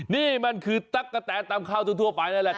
นี่มันคือตั๊กกะแตนตำข้าวทั่วไปนั่นแหละครับ